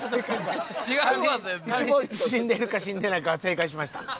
髪質死んでるか死んでないかは正解しました。